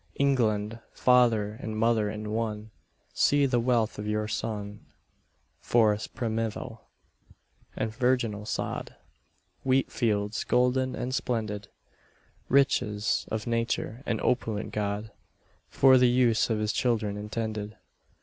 England, father and mother in one, See the wealth of your son. Forests primeval, and virginal sod, Wheat fields golden and splendid: Riches of nature and opulent God For the use of his children intended.